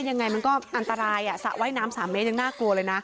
ยังไงมันก็อันตรายสระว่ายน้ำ๓เมตรยังน่ากลัวเลยนะ